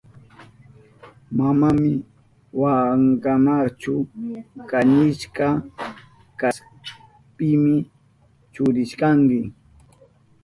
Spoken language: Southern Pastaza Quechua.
Manami wankanachu kanishka kashapimi chukrishkanki.